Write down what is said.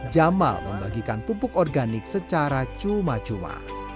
jamal membagikan pupuk organik secara cuma cuma